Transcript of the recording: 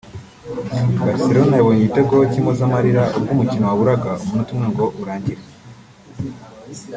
Barcelone yabonye igitego cy’impozamarira ubwo umukino waburaga umunota umwe ngo urangire